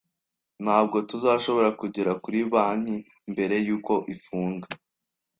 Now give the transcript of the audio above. Ntabwo tuzashobora kugera kuri banki mbere yuko ifunga